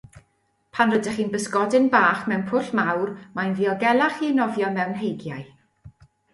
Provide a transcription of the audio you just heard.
Pan rydych chi'n bysgodyn bach mewn pwll mawr, mae'n ddiogelach i nofio mewn heigiau.